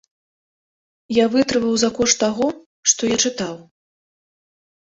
Я вытрываў за кошт таго, што я чытаў.